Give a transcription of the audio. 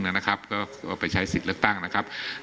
แล้วก็ไปใช้ศิลป์เลือกตั้งนะครับ